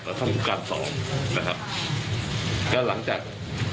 และท่านผู้การสองนะครับก็หลังจาก